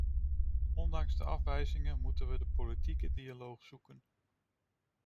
Ondanks de afwijzingen moeten we de politieke dialoog zoeken.